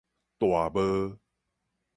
大帽